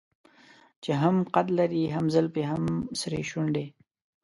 چې هم قد لري هم زلفې هم سرې شونډې.